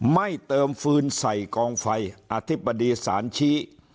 ไม่เติมฟืนใส่กองไฟอธิบดีศาลชี้